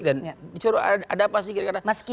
dan dicuruh ada apa sih kira kira